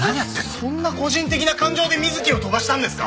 そんな個人的な感情で水木を飛ばしたんですか！？